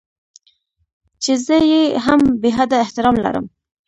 چې زه يې هم بې حده احترام لرم.